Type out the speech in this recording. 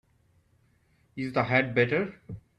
Is the head better?